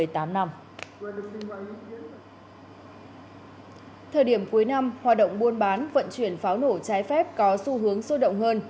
thời điểm cuối năm hoạt động buôn bán vận chuyển pháo nổ trái phép có xu hướng sôi động hơn